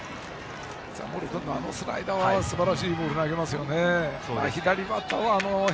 茂呂君のあのスライダーはすばらしいところ投げますね。